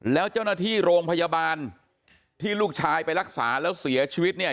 แล้วเจ้าหน้าที่โรงพยาบาลที่ลูกชายไปรักษาแล้วเสียชีวิตเนี่ย